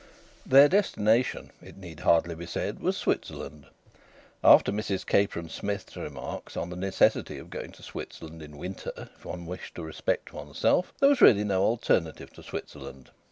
Their destination, it need hardly be said, was Switzerland. After Mrs Capron Smith's remarks on the necessity of going to Switzerland in winter if one wished to respect one's self, there was really no alternative to Switzerland.